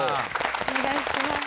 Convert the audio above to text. お願いします